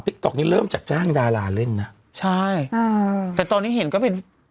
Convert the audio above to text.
ต๊อกนี้เริ่มจากจ้างดาราเล่นนะใช่อ่าแต่ตอนนี้เห็นก็เป็น